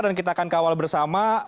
dan kita akan kawal bersama